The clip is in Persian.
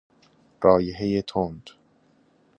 رایحه تند